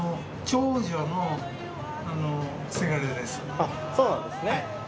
あっそうなんですね。